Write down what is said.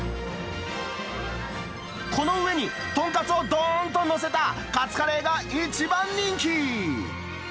この上に豚カツをどーんと載せたカツカレーが一番人気！